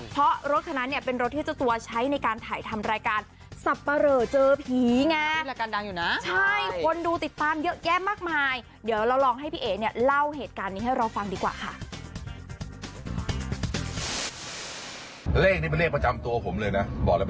เพราะรถคันนั้นเนี่ยเป็นรถที่เจ้าตัวใช้ในการถ่ายทำรายการสับปะเรอเจอผีไง